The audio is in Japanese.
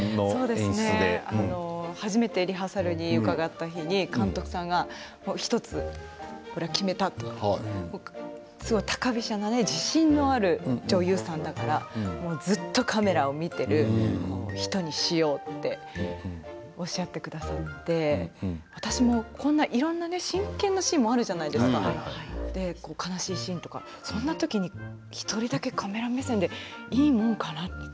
初めてリハーサルに伺った日に監督さんが１つこれは決めたと高飛車な自信のある女優さんだからずっとカメラを見ている人にしようということでおっしゃってくださって私もこんなにいろんな真剣なシーンあるじゃないですか悲しいシーンとか、そんな時に１人だけカメラ目線でいいものかなと。